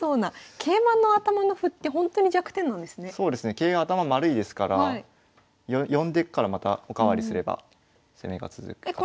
桂は頭丸いですから呼んでからまたお代わりすれば攻めが続く形になります。